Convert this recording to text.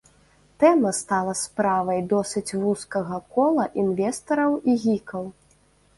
Тэма стала справай досыць вузкага кола інвестараў і гікаў.